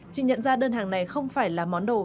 chị nhận ra đơn hàng này không phải là món đồ